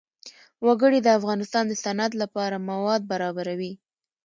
وګړي د افغانستان د صنعت لپاره مواد برابروي.